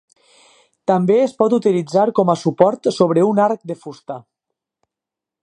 També es pot utilitzar com a suport sobre un arc de fusta.